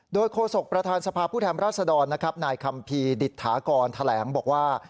โดยโฆษกประธานสภาพผู้แทนรัศดรนะครับนายคัมภีร์ดิษฐากรแถลงบอกว่า